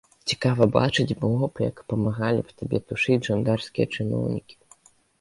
Цікава бачыць было б, як памагалі б табе тушыць жандарскія чыноўнікі.